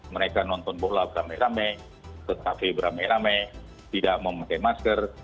mereka nonton bola beramai ramai tetapi beramai ramai tidak memakai masker